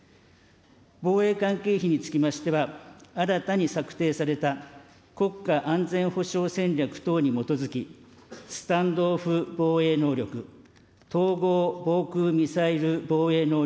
防衛関係費につきましては、新たに策定された国家安全保障戦略等に基づき、スタンド・オフ防衛能力、統合防空ミサイル防衛能力、